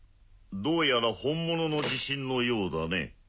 どうやら本物の地震のようだね。